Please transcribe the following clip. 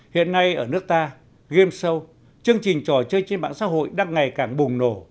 hiện nay ở nước ta game show chương trình trò chơi trên mạng xã hội đang ngày càng bùng nổ